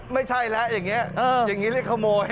ไม่ใช่แล้วอย่างนี้อย่างนี้เรียกขโมย